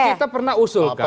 kita pernah usulkan